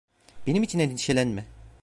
Benim için endişelenme.